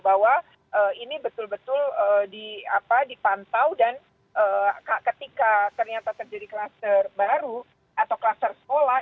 bahwa ini betul betul dipantau dan ketika ternyata terjadi klaster baru atau kluster sekolah